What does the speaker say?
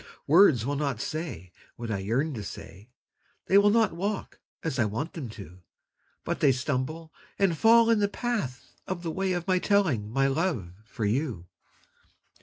Words will not say what I yearn to say They will not walk as I want them to, But they stumble and fall in the path of the way Of my telling my love for you.